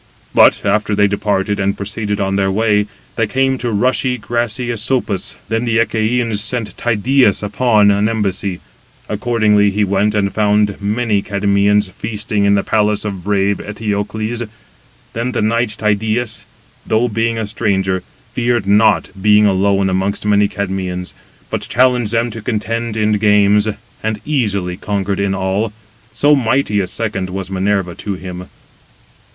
But, after they departed, and proceeded on their way, they came to rushy, grassy Asopus. Then the Achæans sent Tydeus upon an embassy. 188 Accordingly he went, and found many Cadmeans feasting in the palace of brave Eteocles. Then the knight Tydeus, though being a stranger, feared not, being alone amongst many Cadmeans: but challenged them to contend [in games], and easily conquered in all, so mighty a second was Minerva to him.